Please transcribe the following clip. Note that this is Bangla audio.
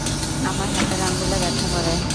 আমার হাতের আঙ্গুলে ব্যথা করে।